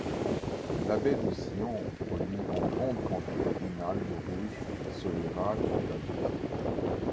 La baie de Sion produit en grande quantité une algue rouge Soliera Cordalis.